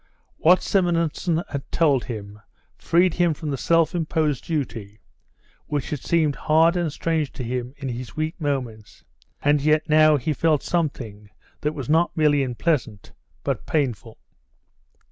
What Simonson had told him freed him from the self imposed duty, which had seemed hard and strange to him in his weak moments, and yet now he felt something that was not merely unpleasant but painful.